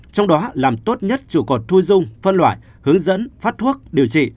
trong đó làm tốt nhất trụ cột thu dung phân loại hướng dẫn phát thuốc điều trị